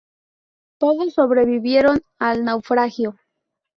Todos sobrevivieron al naufragio.